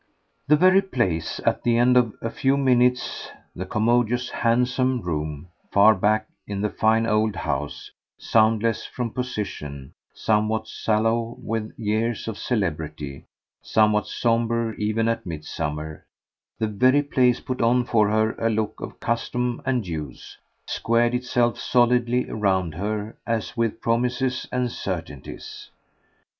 The very place, at the end of a few minutes, the commodious "handsome" room, far back in the fine old house, soundless from position, somewhat sallow with years of celebrity, somewhat sombre even at midsummer the very place put on for her a look of custom and use, squared itself solidly round her as with promises and certainties.